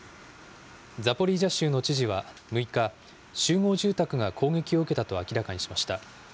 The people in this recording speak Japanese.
ザポリージャ州の知事は６日、集合住宅が攻撃を受けたと明らかにしました。